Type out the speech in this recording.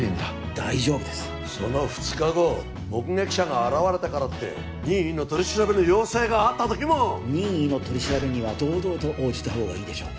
大丈夫ですその２日後目撃者が現れたからって任意の取り調べの要請があったときも任意の取り調べには堂々と応じたほうがいいでしょう